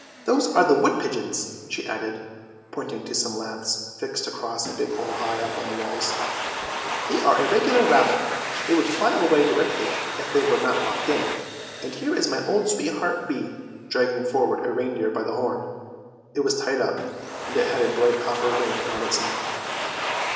" Those are the wood pigeons," she added, pointing to some laths fixed across a big hole high up on the walls; " they are a regular rabble; they would fly away directly if they were not locked in. And here is my old sweetheart Be," dragging forward a reindeer by the horn ; it was tied up, and it had a bright copper THE SNOW QUEEN 207 ring round its neck.